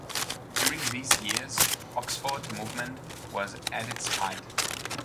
During these years the "Oxford Movement" was at its height.